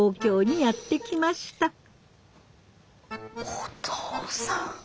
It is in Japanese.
お父さん。